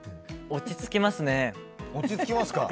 落ち着きますね。